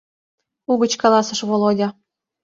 — угыч каласыш Володя.